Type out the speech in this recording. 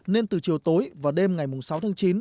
nên từ chiều tối và đêm ngày sáu tháng chín